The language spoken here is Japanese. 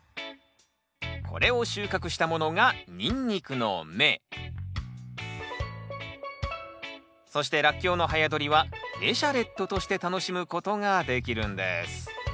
これを収穫したものがそしてラッキョウの早どりはエシャレットとして楽しむことができるんです